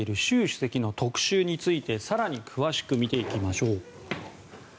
主席の特集について更に詳しく見ていきましょう。